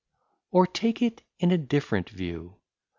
Or take it in a different view.